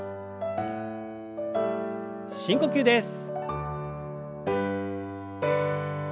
深呼吸です。